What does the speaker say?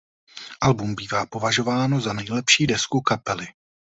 Album bývá považováno za nejlepší desku kapely.